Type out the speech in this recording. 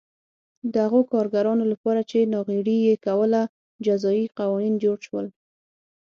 د هغو کارګرانو لپاره چې ناغېړي یې کوله جزايي قوانین جوړ شول